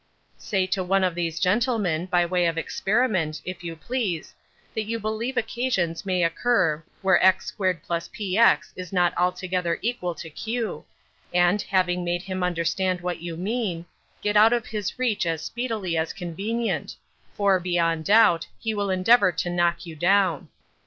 Say to one of these gentlemen, by way of experiment, if you please, that you believe occasions may occur where x2+px is not altogether equal to q, and, having made him understand what you mean, get out of his reach as speedily as convenient, for, beyond doubt, he will endeavor to knock you down.